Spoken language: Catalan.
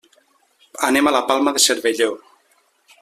Anem a la Palma de Cervelló.